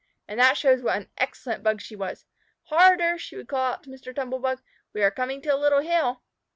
And that shows what an excellent Bug she was. "Harder!" she would call out to Mr. Tumble bug. "We are coming to a little hill."